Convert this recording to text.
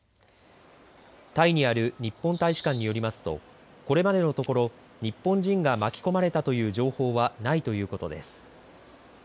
タイにある日本大使館によりますとこれまでのところ日本人が巻き込まれたという情報はないということです。